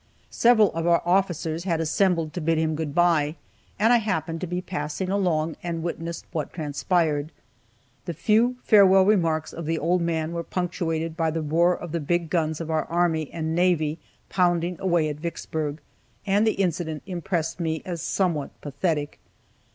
Several of our officers had assembled to bid him good by, and I happened to be passing along, and witnessed what transpired. The few farewell remarks of the old man were punctuated by the roar of the big guns of our army and navy pounding away at Vicksburg, and the incident impressed me as somewhat pathetic.